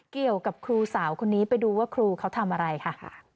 เกี่ยวกับครูสาวคนนี้ไปดูว่าครูเขาทำอะไรค่ะ